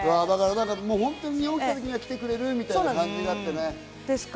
ホントに日本来た時には来てくれるみたいな感じがあってね。